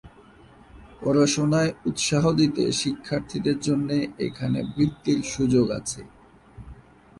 পড়াশোনায় উৎসাহ দিতে শিক্ষার্থীদের জন্য এখানে বৃত্তির সুযোগ আছে।